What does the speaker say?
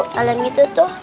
kalau yang itu tuh